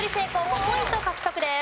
５ポイント獲得です。